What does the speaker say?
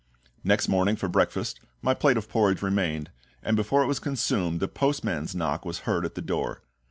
Next morning for breakfast my plate of porridge remained, and before it was consumed the postman's knock was heard at the door.